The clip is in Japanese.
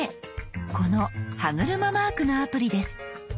この歯車マークのアプリです。